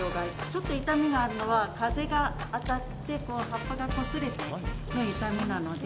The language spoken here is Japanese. ちょっと傷みがあるのは風が当たって葉っぱが擦れての傷みなので。